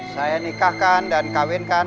saya nikahkan dan kawinkan